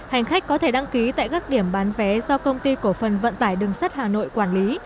hành khách có thể đăng ký tại các điểm bán vé do công ty cổ phần vận tải đường sắt hà nội quản lý